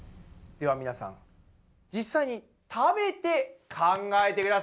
では皆さん実際に食べて考えてください！